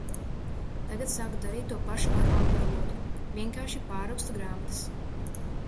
Tagad sāku darīt to pašu ar angļu valodu. Vienkārši pārrakstu grāmatas.